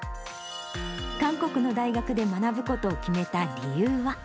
韓国の大学で学ぶことを決めた理由は。